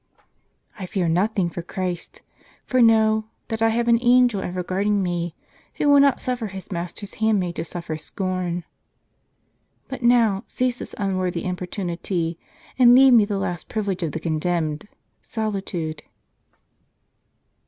" I fear nothing for Christ. For know, that I have an angel ever guarding me, who will not suffer his Master's handmaid to suffer scorn.* But now, cease this unworthy importunity, and leave me the last privilege of the condemned — solitude."